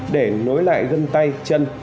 để nối lại gân tay chân